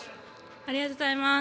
ありがとうございます。